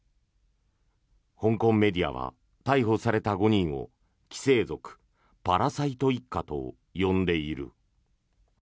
香港メディアは逮捕された５人を寄生族、パラサイト一家と呼んでいる。